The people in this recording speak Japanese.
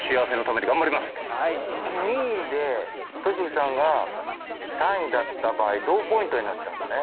２位で戸次さんが３位だった場合同ポイントになっちゃうんだね。